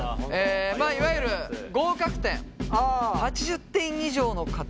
いわゆる合格点８０点以上の方。